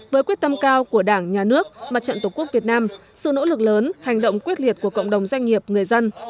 với quyết tâm cao của đảng nhà nước mặt trận tổ quốc việt nam sự nỗ lực lớn hành động quyết liệt của cộng đồng doanh nghiệp người dân